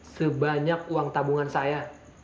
sebanyak uang tabungan saya